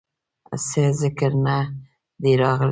څۀ ذکر نۀ دے راغلے